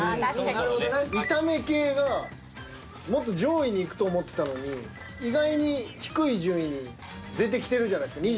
炒め系がもっと上位にいくと思ってたのに意外に低い順位に出てきてるじゃないですか。